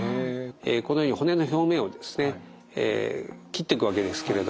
このように骨の表面をですね切っていくわけですけれども。